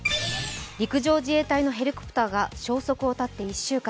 陸上自衛隊のヘリコプターが消息を絶って１週間。